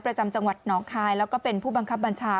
ประจำจังหวัดน้องคายแล้วก็เป็นผู้บังคับบัญชา